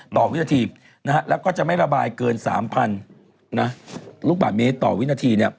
ต่อวินาทีแล้วก็จะไม่ระบายเกิน๓๐๐ลูกบาทเมตรต่อวินาที